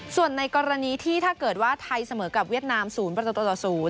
ส่วนในกรณีที่ถ้าเกิดว่าไทยเสมอกับเวียดนาม๐ประตูต่อ๐